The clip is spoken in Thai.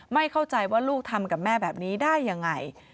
ไม่เข้าใจว่าลูกทำกับแม่แบบนี้ได้ยังไง